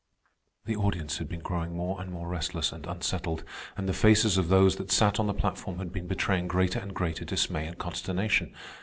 The audience had been growing more and more restless and unsettled, and the faces of those that sat on the platform had been betraying greater and greater dismay and consternation.